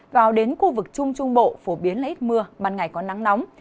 vào đến khu vực trung trung bộ phổ biến là ít mưa ban ngày có nắng nóng